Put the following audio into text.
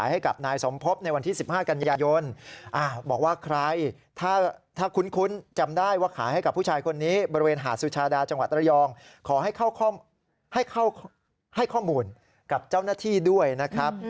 ให้ข้อมูลกับเจ้าหน้าที่ด้วยนะครับ